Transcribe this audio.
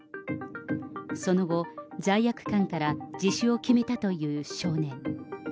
その後、罪悪感から自首を決めたという少年。